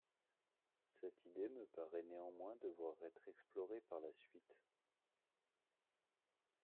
Cette idée me paraît néanmoins devoir être explorée par la suite.